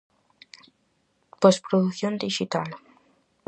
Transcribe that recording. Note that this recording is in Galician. Posprodución dixital.